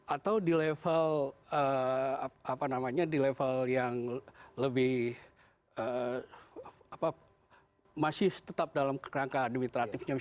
atau di level yang lebih masih tetap dalam kerangka administratifnya